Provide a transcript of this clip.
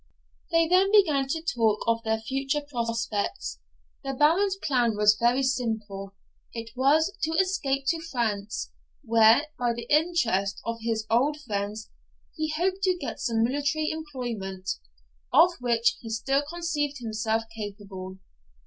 They then began to talk of their future prospects. The Baron's plan was very simple. It was, to escape to France, where, by the interest of his old friends, he hoped to get some military employment, of which he still conceived himself capable.